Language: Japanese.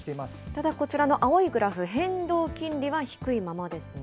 ただこちらの青いグラフ、変動金利は低いままですね。